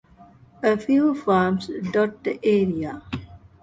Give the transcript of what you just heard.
A few farms dot the area.